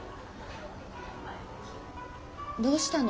どうしたの？